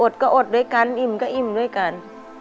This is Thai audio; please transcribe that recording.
อดก็อดด้วยกันอิ่มก็อิ่มด้วยกัน